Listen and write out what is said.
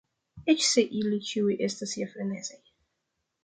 Eĉ se ili ĉiuj estas ja frenezaj.